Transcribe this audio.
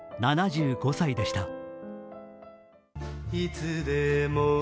７５歳でした。